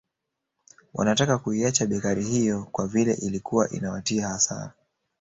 Wanataka kuiacha bekari hiyo kwa vile ilikuwa inawatia hasara